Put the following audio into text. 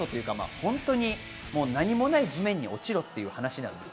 本当に何もない、地面に落ちろっていう話なんですよ。